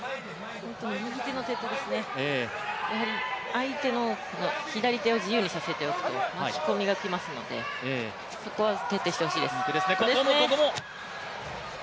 相手の左手を自由にさせておくと巻き込みが来ますのでそこは徹底してほしいです。